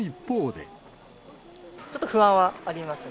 ちょっと不安はありますね。